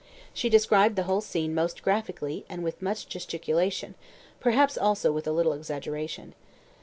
She described the whole scene most graphically and with much gesticulation, perhaps also with a little exaggeration.